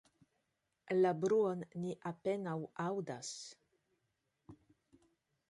La bruon ni apenaŭ aŭdas.